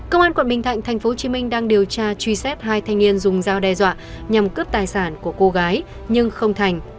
công an quận bình thạnh tp hcm đang điều tra truy xét hai thanh niên dùng dao đe dọa nhằm cướp tài sản của cô gái nhưng không thành